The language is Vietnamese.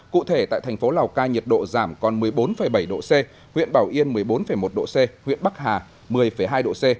cụ thể tại thành phố lào cai nhiệt độ giảm còn một mươi bốn bảy độ c huyện bảo yên một mươi bốn một độ c huyện bắc hà một mươi hai độ c